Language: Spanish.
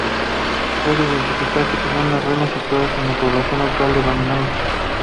Suele identificarse con unas ruinas situadas en la población actual de Bania.